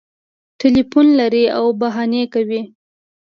ټلیفون لري او بهانې کوي